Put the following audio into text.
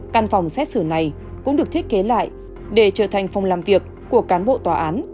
căn phòng xét xử này cũng được thiết kế lại để trở thành phòng làm việc của cán bộ tòa án